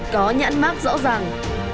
có nhãn map rõ ràng